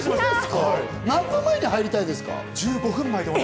何分前に入りたいですか？